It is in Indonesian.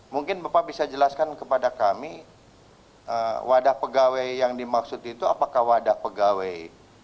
mungkin bapak bisa jelaskan kepada kami wadah pegawai yang dimaksud itu apakah wadah pegawai